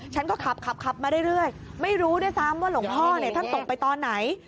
ฉันก็ขับขับมาเรื่อยไม่รู้ด้วยซ้ำว่าหลวงพ่อเนี่ยท่านตกไปตอนไหน